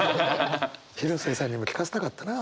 広末さんにも聞かせたかったな。